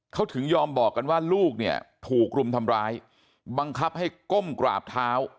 เขาถึงยอมบอกกันว่าลูกเนี่ยถูกรุมทำร้ายบังคับให้ก้มกราบเท้า